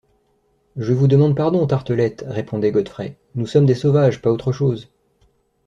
Je vous demande pardon, Tartelett, répondait Godfrey, nous sommes des sauvages, pas autre chose!